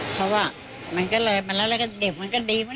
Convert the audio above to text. เพราะว่ามันก็เลยเด็กมันก็ดีมาเล่นมาทุกวัน